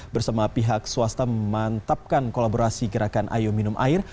bersama pihak swasta memantapkan kolaborasi gerakan ayo minum air